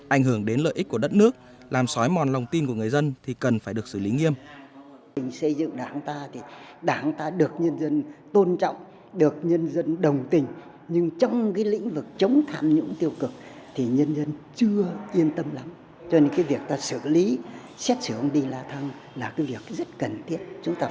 ảnh hưởng đến lợi ích của đất nước làm sói mòn lòng tin của người dân thì cần phải được xử lý nghiêm